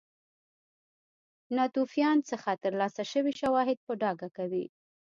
ناتوفیان څخه ترلاسه شوي شواهد په ډاګه کوي.